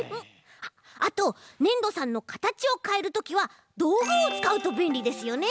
あとねんどさんのかたちをかえるときはどうぐをつかうとべんりですよね！